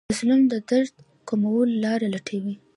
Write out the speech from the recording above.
مظلوم د درد کمولو لارې لټوي.